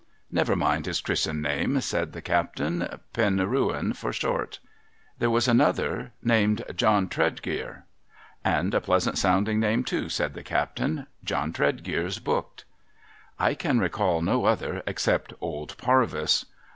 *' Never mind his Chris'iMi name,' said the captain. ' Penrcwen, for short.' ' There was another named John Tredgear.' ^^' And a pleasant sounding name, too,' said the captain ;' John Tredgcar's booked.' ' I can recall no other except old Parvis.'